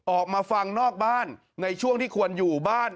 ออกมาฟังนอกบ้านในช่วงที่ควรอยู่บ้าน